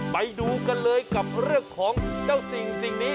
ไปดูกันเลยกับเรื่องของเจ้าสิ่งนี้